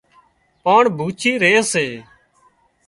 پاڻ ڀوڇي ري سي